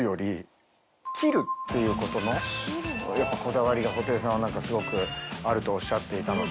っていうことのやっぱこだわりが布袋さんはすごくあるとおっしゃっていたので。